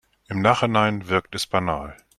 Im Nachhinein wirkt es banal.